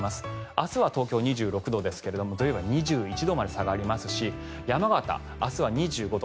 明日は東京２６度ですが土曜日は２１度まで下がりますし山形、明日は２２度。